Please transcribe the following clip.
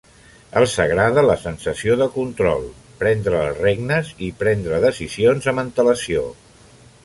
Els agrada la sensació de control, prendre les regnes, i prendre decisions amb antelació.